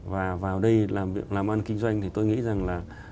và vào đây làm việc làm ăn kinh doanh thì tôi nghĩ rằng là